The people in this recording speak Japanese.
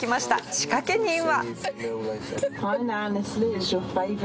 仕掛け人は。